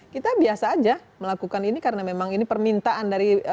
kita biasa aja melakukan ini karena memang ini permintaan dari